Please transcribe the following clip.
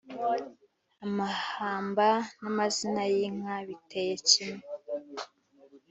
amahamba n’amazina y’inka biteye kimwe